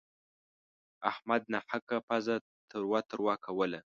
احمد ناحقه پزه تروه تروه کوله.